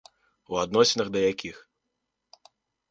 У адносінах да якіх.